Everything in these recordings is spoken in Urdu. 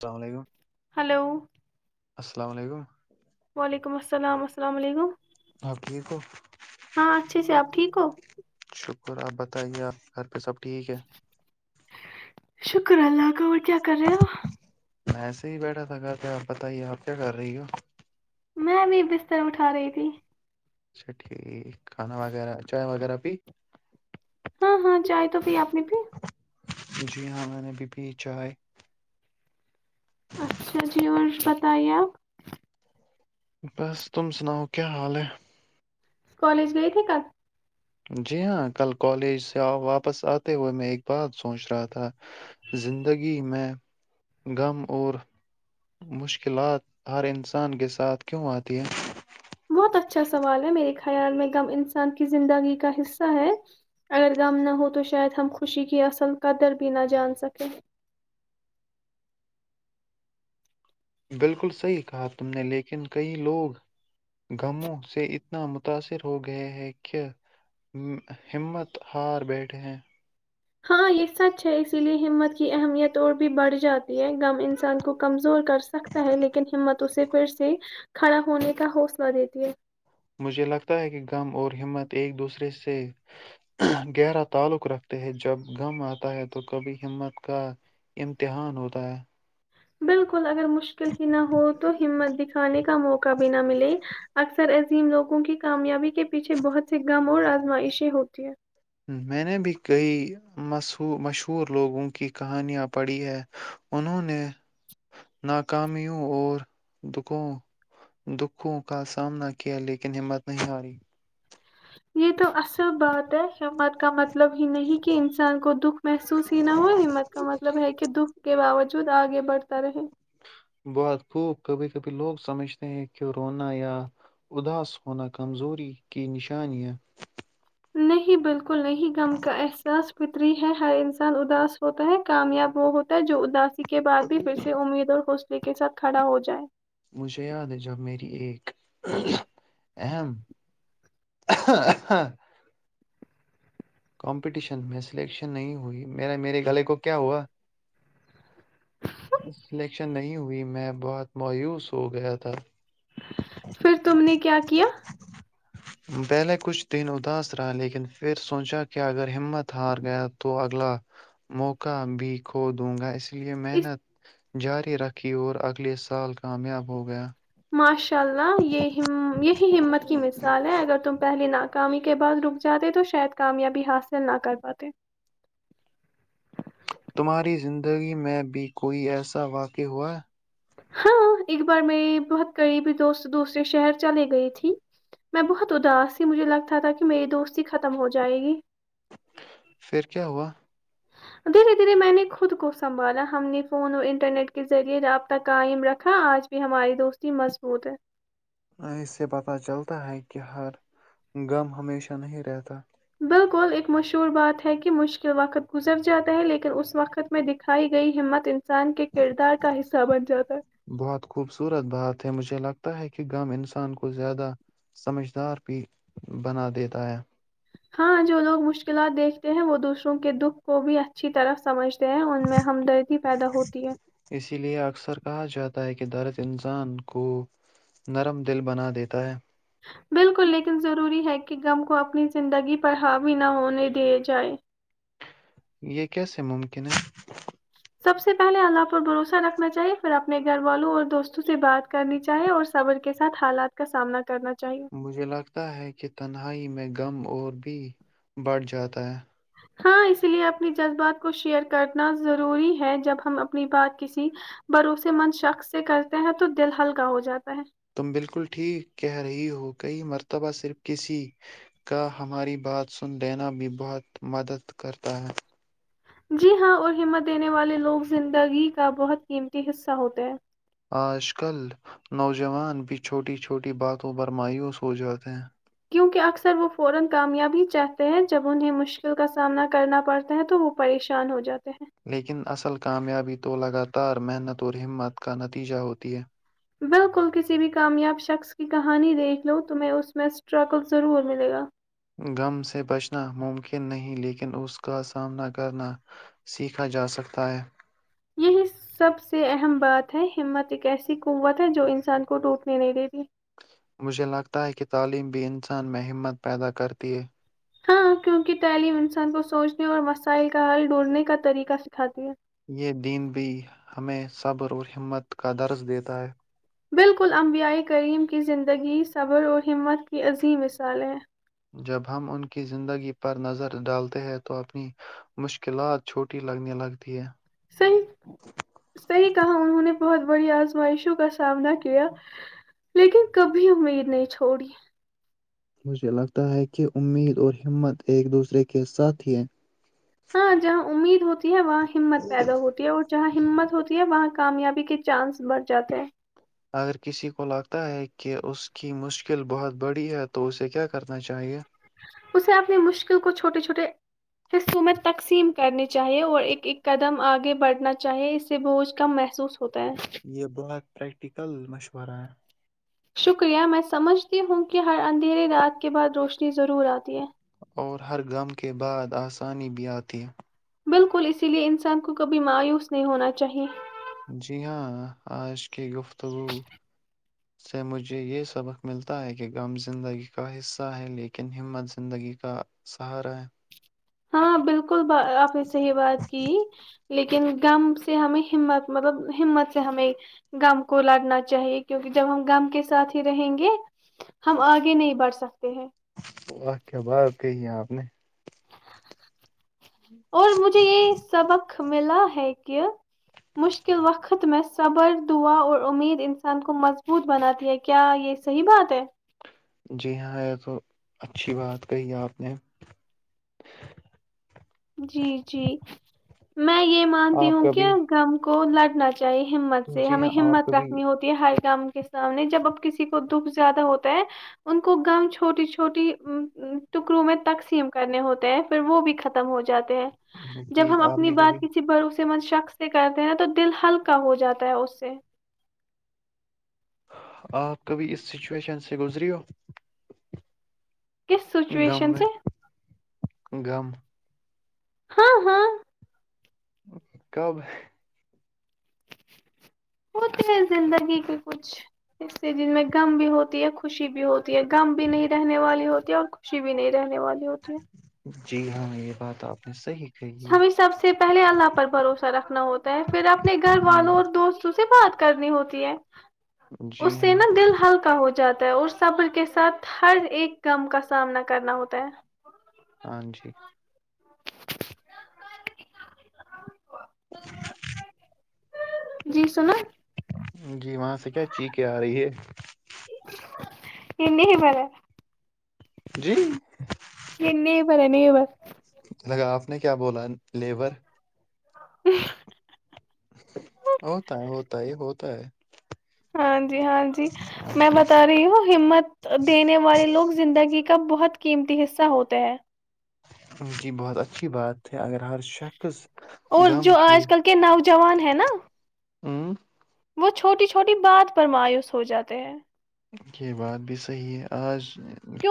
السلام علیکم ہیلو السلام علیکم وعلیکم السلام السلام علیکم آپ ٹھیک ہو ہاں اچھے سے اپ ٹھیک ہو اور اپ بتائیے اپ گھر پہ سب ٹھیک ہے شکر اللہ تو کیا کر رہے ہو ایسی بیٹھا تھا گھر پی آپ بتائیے ایپ کیا کر رہی ہو میں بھی بستر اٹھا رہی تھی ٹھیک کھانا وغیرہ چائے وغیرہ بھی ہاں ہاں چائے تو پھر اپ نے پھر خوشیاں میں نے بھی پی چائے اچھا جی اور بتایا بس تم سناؤ کیا حال ہے کالج گئے تھے کل جی ہاں کل کالج واپس اتے ہوئے میں ایک بات سوچ رہا تھا زندگی میں غم اور مشکلات ہر انسان کے ساتھ کیوں اتی ہے بہت اچھا سوال ہے میرے خیال میں کم انسان کی زندگی کا حصہ ہے اگر غم نہ ہو تو شاید ہم خوشی کی اصل قدر بھی نہ جان سکے بالکل صحیح کہا تم نے لیکن کئی لوگ غموں سے اتنا متاثر ہو گئے ہیں کیا ہمت ہار بیٹھے ہیں ہاں یہ سچ ہے اسی لیے ہمت کی اہمیت اور بھی بڑھ جاتی ہے غم انسان کو کمزور کر سکتا ہے لیکن ہمت اسے پھر سے کھڑا ہونے کا مجھے لگتا ہے کہ کم اور ہمت ایک دوسرے سے گہرا تعلق رکھتے ہیں جب غم اتا ہے تو کبھی ہمت کا بالکل مشکل ہی نہ ہو تو ہمت دکھانے کا موقع بھی نہ ملے تین لوگوں کی کامیابی کے پیچھے بہت سے غم اور ازمائشیں ہوتی ہیں میں نے بھی کئی مش مشہور لوگوں کی کہانیاں پڑھی ہے انہوں نے ناکامیوں اور دکھوں دکھوں کا سامنا کیا لیکن ہمت نہیں ہاری یہ تو ایسا بات ہے شفاعت کا مطلب یہ نہیں کہ انسان کو دکھ محسوس ہی نہ ہوئی ہمت کا مطلب ہے کہ دکھ کے باوجود اگے بڑھتا رہے بہت خوب کبھی کبھی لوگ سمجھتے ہیں کہ رونا یا اداس ہونا کمزوری کی نشانیاں نہیں بلکہ بالکل نہیں غ کا احساس کوئی ہے انسان اداس ہوتا ہے کامیاب وہ ہوتا ہے جو ادا کے بعد بھی پھر سے امید ہے کے ساتھ کھڑا ہو جائے مجھے یاد ہے جب میری ایک اہم کمپٹیشن میں سلیکشن نہیں ہوئی میر میرے گلے کو کیا ہوا سلیکشن نہیں ہوئی میں بہت مایوس ہو گیا تھا پھر تم نے کیا کیا پہلے کچھ دن اداس رہا لیکن پھر سوچا کہ اگر ہمت ہار گیا تو اگلا موقع بھی کھو دوں گا اسے لیے اس محنت جاری رکھی اور اگلے سال کامیاب ہو گیا مش شاء اللہ یہ یہی ہمت کی مثال ہے اگر تم پہلے نہ کاامی کے بعد رک جاتے تو شاید کامیابی حاصل نہ کر پاتے تمہاری زندگی میں بھی کوئی ایسا واقع ہوا ہاں ایک بار میری بہت قریبی دوست دوسرے شہر چلے گئی تھی میں بہت اداس تھی مجھے لگتا تھا کہ میری دوستی ختم ہو جائے گی پھر کیا ہوا دھیرے دھیرے میں نے خود کو سنبھالا ہم نے فون اور انٹرنیٹ کے ذریعے رابطہ قائم رکھا آج بھی ہماری دوستی مضبوط ہے اس سے پتہ چلتا ہے کہ ہر غم ہمیشہ نہیں رہتا بالکل ایکک مشہور بات ہے کہ مشکل وقت گزر جاتا ہے لیکن اس وقت میں دکھائی گئی ہمت انسان کے کردار کا حصہ بن جاتا ہے ہوتا ہے کہ غم انسان کو زیادہ سمجھدار بھی بنا دیتا ہے ہاں جو لوگ مشکلات دیکھتے ہیں وہ دوسروں کے دکھ کو بھی اچھی طرح سمجھ ہیں ان میں ہمدردی پیدا ہوتی ہے چتا ہے کہ دولت انسان کو نرم دل بنا دیتا ہے بالکل لیکن ضروری ہے کہ غم کو اپنی زندگی پر حاوی نہ ہونے دے جائے یہ کیسے ممکن ہے؟ سب سے پہلے اللہ پر بھروسہ رکھنا چاہیے پھر اپنے گھر والوں اور دوستوں سے بات کرنی چاہیے اور صبر کے ساتھ حالات کا سامنا کرنا چاہیے مجھے لگتا ہے کہ تنہائی میں غم اور بھی بڑھ جاتا ہے ہاں اس لیے اپنی جذبات کو شیئر کرنا ضروری ہے جب ہم اپنی بات کسی بھروسے مند شخص سے کرتے ہیں تو دل ہلکا ہو جاتا ہے تم بالکل ٹھیک کہہ رہی ہو کئی مرتبہ صرف کسی کا ہماری بات سن دینا بھی بہت مدد کرتا ہے جی ہاں اور ہمت دینے والے لوگ زندگی کا بہت قیمتی حصہ ہوتے ہیں آج کل نوجوان بھی چھوٹی چھوٹی باتوں پر مایوس ہو جاتے ہیں [inaudible] لیکن اصل کامیابی تو لگاتار محنت اور ہمت کا نتیجہ ہوتی ہے بالکل کسی بھی کامیاب شخص کی کہانی دیکھ لو تمہیں اس میں اسٹرگل ضرور ملے گا غم سے بچنا ممکن نہیں لیکن اس کا سامنا کرنا سیکھا جاسکتا ہے یہی سب سے اہم بات ہے ہمت ایک ایسی قوت ہے جو انسان کو ٹوٹنے نہیں دیتی مجھے لگتا ہے کہ تعلیم بھی انسان میں ہمت پیدا کرتی ہے ہاں کیونکہ تعلیم انسان کو سوچنے اور مسائل کا حل ڈھونڈنے کا طریقہ سکھاتی ہے یہ دین بھی ہمیں صبر اور ہمت کا درس دیتا ہے بالکل امبیائی کریم کی زندگی صبر اور ہمت کی عظیم مثال ہے جب ہم ان کی زندگی پر نظر ڈالتے ہیں تو اپنی مشکلات چھوٹی لگنے لگتی ہے صحی صحیح کہا انہوں نے بہت بڑی آزمائشوں کا سامنا کیا لیکن کبھی امید نہیں چھوڑی مجھے لگتا ہے کہ امید اور ہمت ایک دوسرے کے ساتھ ہی ہاں جہاں امید ہوتی ہے وہاں ہمت پیدا ہوتی ہے اور جہاں ہمت ہوتی ہے وہاں کی کامیابی کے چانس بڑھ جاتے ہیں اگر کسی کو لگتا ہے کہ اس کی مشکل بہت بڑی ہے تو اسے کیا کرنا چاہیے اسے اپنی مشکل کو چھوٹے چھوٹے حصوں میں تقسیم کرنی چاہیے اور ایک ایک قدم آگے بڑھنا چاہیے اس سے بوجھ کم محسوس ہو ہوتا ہے یہ بہت پریکٹیکل مشورہ شکریہ میں سمجھتی ہوں کہ ہر اندھیرے رات کے بعد روشنی ضرور آتی ہے اور ہر غم کے بعد آسانی بھی آتی ہے بالکل اسی لیے انسان کو کبھی مایوس نہیں ہونا چاہیے جی ہاں آج کی گفتگو سے مجھے یہ سبق ملتا ہے کہ غم زندگی کا حصہ ہے لیکن ہمت زندگی کا سہارا ہے ہاں بالکل بالکل آپ نے صحیح بات کی لیکن غم سے ہمیں ہمت مطلب ہمت سے ہمیں غم کو لڑنا چاہیے کیونکہ جب ہم م کے ساتھ ہی رہیں گے ہم آگے نہیں بڑھ سکتے ہیں واہ کیا بات کہی ہے آپ نے اور مجھے یہ سبق ملا ہے کہ مشکل وقت میں صبر دعا اور امید انسان کو مضبوط بناتی ہے کیا یہ صحیح بات ہے جی ہاں یہ تو اچھی بات کہی آپ نے جی جی میں یہ مانتی آپ ہوں کبھی کہم کون لٹنا چاہے ہمت سے جی ہمیں ہاں آپ ہمت کبھی رکھنی ہوتی ہے ہ گم کے سامنے جب اب کسی کو دکھ زیادہ ہوتا ہے ان کو گم چھوٹی چھوٹی ٹکڑوں میں تقسیم کرنے ہوتے ہیں پھر وہ بھی خت ہوائے جاتے ہیں جب جی ہم آپ اپنی نے کبھی بات کسی بھروس مت شخص سے کرتے ہیںا تو دل ہلکا ہو جاتا ہے اس سے آپ کبھی اس سچویشن سے گزری ہو کس غم سچویشن میں سے غم ہاں ہاں کب ہوتے ہیں زندگی کے کچھ ایے جن میں م بھی ہوتی ہے خوشی بھی ہوتی م بھی نہیں رہنے والی ہوتی اور خوشی بھی نہیں رہنے والی ہوتی ہے جی ہاں یہ بات آپ نے صحیح کہی ہمیں سب سے پہلے اللہ پر بھروسہ رکھنا ہوتا ہے پھر اپنے گھر ہے والوں اور دوست سے بات کرنی ہوتی ہے [inaudible] اس جی سے ہاں نا دل ہلکا ہو جائے جاتا ہے اور سبر کے ساتھ ہر ایک کم کا سامنا کرنا ہوتا ہے [inaudible] ہاں جی جی سناو [unintelligible] جی وہاں سے کیا چیخیں آ رہی ہے [inaudible] ا نہیں ہی مرے جی یہ نہیں ب ہے نہیں ب لگا آپ نے کیا بولا لیبر ا [inaudible] ہوتا ہے ہوتا ہے ہوتا ہے ہاں جی ہاں جی ہاں میں جی بتا رہی ہوں ہمت دینے والے لوگ زندگی کا بہت قیمتی حصہ ہوتے ہیں [inaudible] ان کی بہت اچھی بات اگر ہر شخص اور غم جو کی آج [inaudible] کل کے نوجوان ہے نا ہوں [inaudible] وہ چھوٹی چھوٹی بات پر مایوس ہو جاتے ہیں یہ بات بھی صحی ہے آج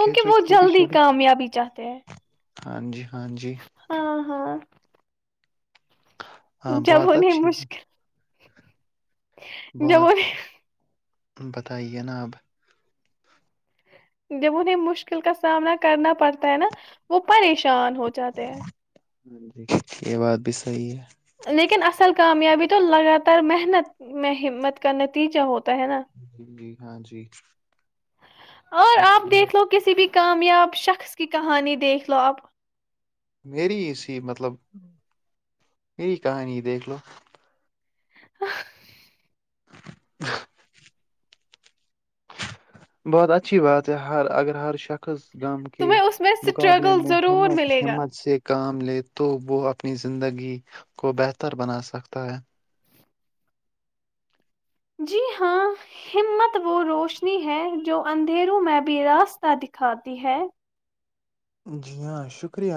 کہچو وہ چھوٹی جلدی چھوٹی کامیابی چاہتے ہیں ہاں جی ہاں جی [unintelligible] ہاں ہاں ہاں جب بہت انہیں اچھی مشکل بات جمن [inaudible] بتائیے نا اپ [inaudible] جب انہیں مشکل کا سامنا کرنا پڑتا ہے نا وہ پریشان ہو جاتے ہیں ہاں جی یہ بات بھی صحی ہے [unintelligible] لیکن اصل کامیابی تو لگاتار محنت میں ہمت کا نتیجہ ہوتا ہے نا جی جی ہاں جی اور آپ اچھا دیکھ لو کسی بھی کامیاب شخص کی کہانی دیکھ لو آپ میری اسی مطلب میری کہانی دیکھ لو آ [inaudible] ہ [inaudible] بہت اچھی بات ہے ہر اگر ہر شخص گم کے تمہیں اس میں مقابلے اسٹرگل میں ضرور ہمت ملے گا ہمت سے [unintelligible] کام لے تو وہ اپنی زندگی کو بہتر بنا سکتا ہے جی ہاں ہمت وہ روشنی ہے جو اندھیروں میں بھی راستہ دکھاتی ہے جی ہاں شکریہ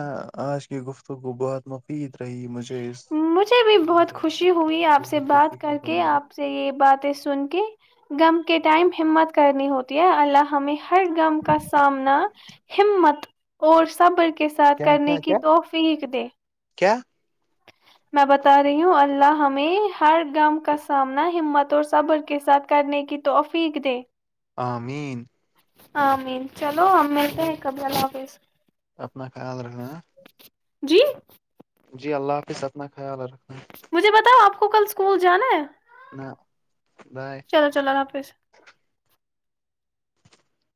آج کی گفتگو بہت مفید رہی مجھے اس مجھے بھی بہت سے خوشی ہوئی آپ سے بہت کچھ بات کر سیکھنے کو کے ملا آپ سے یہ باتیں سن کے گم ٹائم ہمت کرنی ہوتی ہے اللہ ہمیں ہر غم کا سامنا ہمت اور صبر کے کے ساتھ کیا کرنے کیا کی کیا توفیق دے کیا میں بتا رہی ہوں اللہ ہمیں ہر گم کا سامنا ہمت اور صبر کے ساتھ کرنے کی تو افیق دے آمین ہاں مین چلو ہم ملتے چلو ہیں قبل اللہ حافظ اپنا خیال رکھنا ہاں؟ جی جی اللہ حافظ س اپنا خیال رکھ مجھے بتاؤ آپ آ کو کل سکول جا ہے نہ بائے چلو چلولہ حافظ